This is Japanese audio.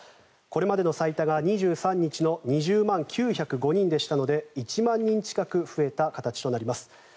これまでの最多が２３日の２０万９０５人でしたので１万人近く増えた形となります。